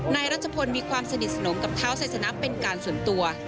รัชพลมีความสนิทสนมกับเท้าไซสนะเป็นการส่วนตัว